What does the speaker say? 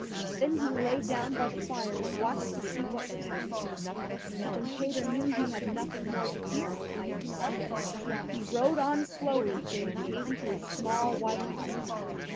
Then he lay down by the fire and watched to see what would happen. When Peter knew that he had nothing more to fear from Eisenkopf, he rode on slowly till he came to a small white house.